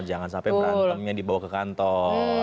jangan sampai berantemnya dibawa ke kantor